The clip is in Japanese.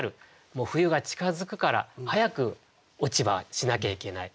冬が近づくから早く落葉しなきゃいけない。